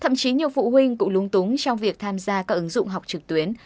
thậm chí nhiều phụ huynh cũng lung túng trong việc tham gia các ứng dụng học trực tuyến